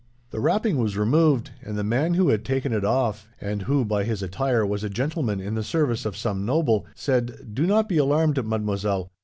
"The wrapping was removed, and the man who had taken it off, and, who by his attire, was a gentleman in the service of some noble, said, 'Do not be alarmed, mademoiselle.